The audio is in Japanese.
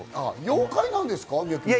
妖怪なんですか？